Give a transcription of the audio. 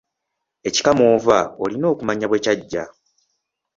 Ekika mw’ova olina okumanya bwe kyajja.